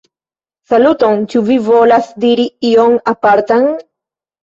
Saluton, ĉu vi volas diri ion apartan?